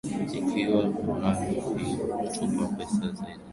ikiwa umoja huo hautapata pesa hizo kwa kati